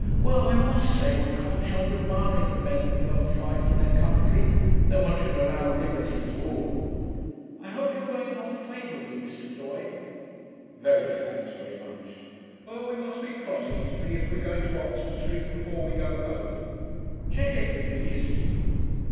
'Well, I must say one can't help admiring the men that go and fight for their country, though one should allow liberty to all.... I hope you're going on favourably, Mr. Doye.' 'Very, thanks very much.' 'Well, we must be trotting, Evie, if we're going to Oxford Street before we go home.... Check, if you please....